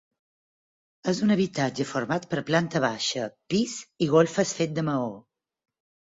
És un habitatge format per planta baixa, pis i golfes fet de maó.